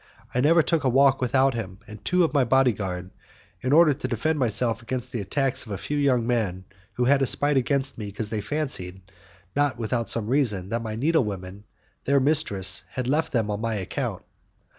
I never took a walk without him and two of my body guard, in order to defend myself against the attacks of a few young men who had a spite against me because they fancied, not without some reason, that my needlewomen, their mistresses, had left them on my account.